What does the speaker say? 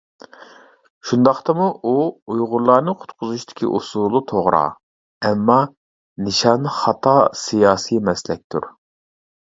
شۇنداقتىمۇ، ئۇ ئۇيغۇرلارنى قۇتقۇزۇشتىكى ئۇسۇلى توغرا ئەمما نىشانى خاتا سىياسىي مەسلەكتۇر.